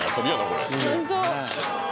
これホント！